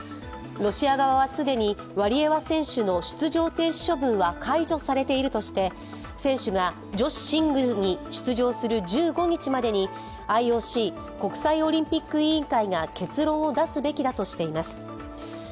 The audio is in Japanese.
ロシア側は既にワリエワ選手の出場停止処分は解除されているとして、選手が女子シングルに出場する１５日までにＩＯＣ＝国際オリンピック委員会が結論を出すべきだとしています。